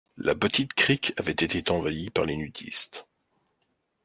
La petite crique avait été envahie par les nudistes.